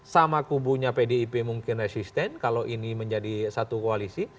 sama kubunya pdip mungkin resisten kalau ini menjadi satu koalisi